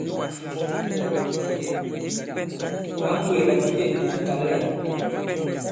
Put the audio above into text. Mǎn kwéè la fi têm ndi fi kǎm lâ ?